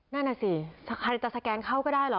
นั่นน่ะสิใครจะสแกนเข้าก็ได้เหรอ